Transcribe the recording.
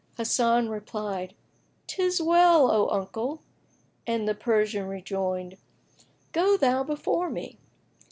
Hasan replied, "'Tis well, O uncle," and the Persian rejoined, "Go thou before me."